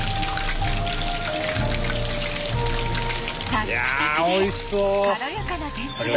サックサクで軽やかな天ぷら